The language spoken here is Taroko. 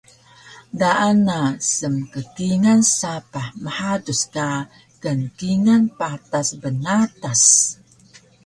Daan na smkkingal sapah mhaduc ka kngkingal patas bnatas